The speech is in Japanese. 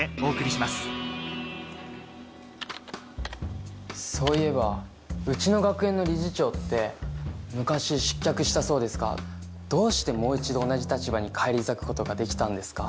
わぁそういえばうちの学園の理事長って昔失脚したそうですがどうしてもう一度同じ立場に返り咲くことができたんですか？